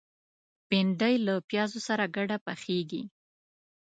بېنډۍ له پیازو سره ګډه پخېږي